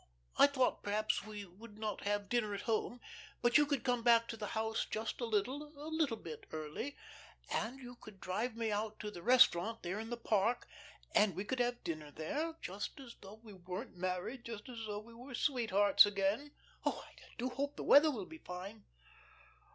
I thought, perhaps, we would not have dinner at home, but you could come back to the house just a little a little bit early, and you could drive me out to the restaurant there in the park, and we could have dinner there, just as though we weren't married just as though we were sweethearts again. Oh, I do hope the weather will be fine."